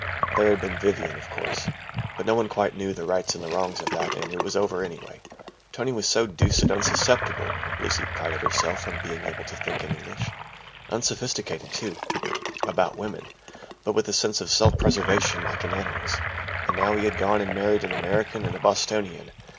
There had been Vivian, of course, but no one quite knew the rights and the wrongs of that and it was over anyway. Tony was so deuced unsusceptible (Lucy prided herself on being able to think in English), unsophisticated, too, about women, but with a sense of self preservation like an animal's. And now he had gone and married an American and a Bostonian.